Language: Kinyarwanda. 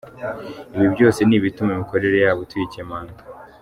Ibi byose ni ibituma imikorere yabo tuyikemanga.